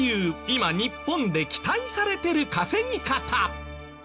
今日本で期待されてる稼ぎ方。